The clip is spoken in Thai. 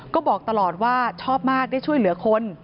ก็บอกตลอดว่าชอบมากได้ช่วยเหลือคน